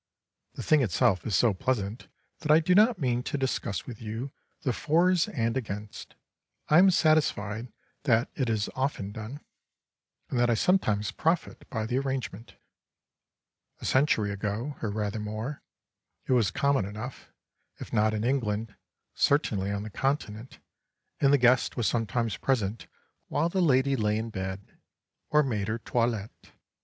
The thing itself is so pleasant that I do not mean to discuss with you the fors and againsts; I am satisfied that it is often done, and that I sometimes profit by the arrangement. A century ago, or rather more, it was common enough, if not in England, certainly on the Continent, and the guest was sometimes present while the lady lay in bed, or made her toilette.